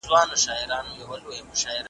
د معلوماتو ښه جریان اړین دی.